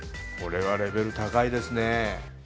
これはレベル高いですね。